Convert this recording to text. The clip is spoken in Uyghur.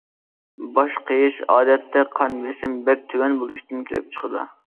باش قېيىش ئادەتتە قان بېسىم بەك تۆۋەن بولۇشتىن كېلىپ چىقىدۇ.